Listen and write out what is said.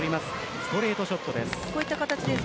ストレートショットです。